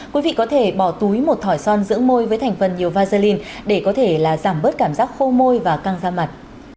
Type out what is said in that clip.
quý vị có thể bỏ túi một thỏi son giữa môi với thành phần nhiều vaseline để có thể là giảm bớt cảm giác khô môi và căng da mặt